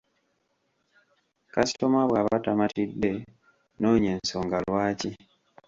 Kasitoma bw’aba tamatidde, noonya ensonga lwaki.